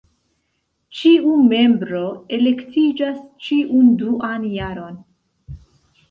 Ĉiu membro elektiĝas ĉiun duan jaron.